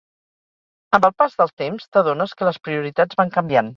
Amb el pas del temps t'adones que les prioritats van canviant